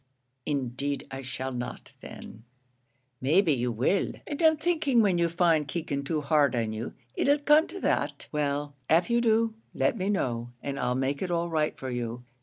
"Indeed, I shall not then." "May be you will, and I'm thinking when you find Keegan too hard on you it 'll come to that. Well, av you do, let me know, and I'll make it all right for you.